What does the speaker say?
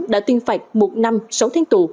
đã tuyên phạt một năm sáu tháng tù